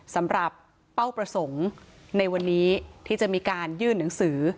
เป้าประสงค์ในวันนี้ที่จะมีการยื่นหนังสือ